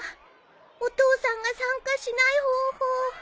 お父さんが参加しない方法。